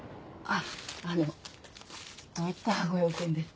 あのどういったご用件で？